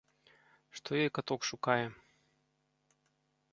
Што ёй каток шукае.